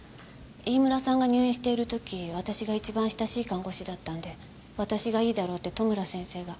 飯村さんが入院している時私が一番親しい看護師だったんで私がいいだろうって戸村先生が。